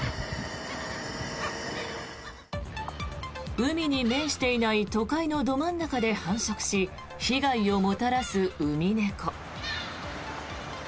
海に面していない都会のど真ん中で繁殖し被害をもたらすウミネコ。